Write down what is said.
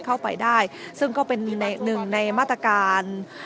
เข้าไปได้ซึ่งก็เป็นมีหนึ่งในมาตรการ